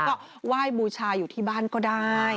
ก็ไหว้บูชาอยู่ที่บ้านก็ได้